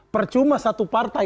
percuma satu partai